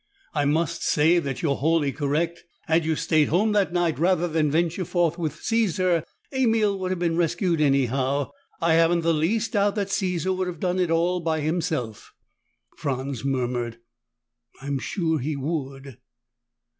"I must say that you are wholly correct. Had you stayed home that night, rather than venture forth with Caesar, Emil would have been rescued anyhow. I haven't the least doubt that Caesar would have done it all by himself." Franz murmured, "I'm sure he would."